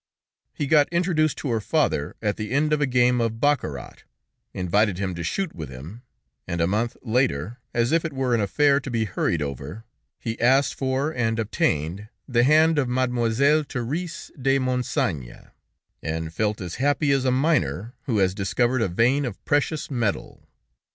He got introduced to her father, at the end of a game of baccarat, invited him to shoot with him, and a month later, as if it were an affair to be hurried over, he asked for and obtained the hand of Mademoiselle Therése de Montsaigne, and felt as happy as a miner who has discovered a vein of precious metal.